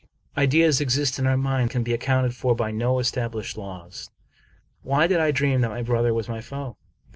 Ideas exist in our minds that can be accounted for by no established laws. Why did I dream that my brother was my foe?